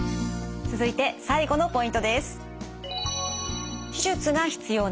続いて最後のポイントです。